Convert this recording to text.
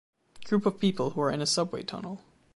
Group of people who are in a subway tunnel